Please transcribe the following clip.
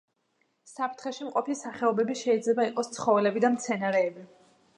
საფრთხეში მყოფი სახეობები შეიძლება იყოს ცხოველები და მცენარეები.